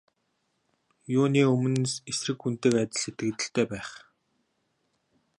Юуны өмнө эсрэг хүнтэйгээ адил сэтгэгдэлтэй байх.